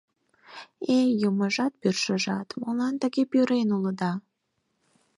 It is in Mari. «Эй, юмыжат-пӱрышыжат, молан тыге пӱрен улыда?